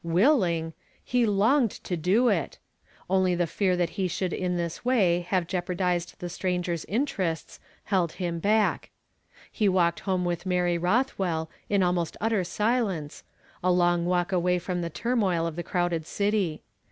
" Willing !" he longed to do it. Only the fear that he should in this way have jeopardized that stranger's interests held him hack. He walked home with Mary Kothwell in almost utter silenee, a long walk away from the turmoil of the crowded city.